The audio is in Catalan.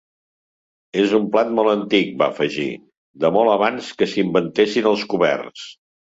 És un plat molt antic —va afegir—, de molt abans que s'inventessin els coberts.